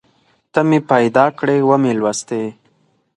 ته مې پیدا کړې ومې لوستې